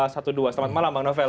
selamat malam bang novel